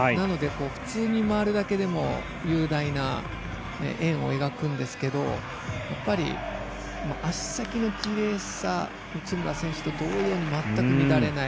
普通に回るだけでも雄大な円を描くんですけどやっぱり足先のきれいさ内村選手と同様に全く乱れない。